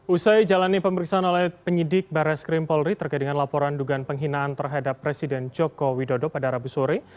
usai jalani pemeriksaan oleh penyidik barres krim polri terkait dengan laporan dugaan penghinaan terhadap presiden joko widodo pada rabu sore